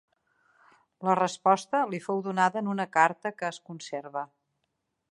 La resposta li fou donada en una carta que es conserva.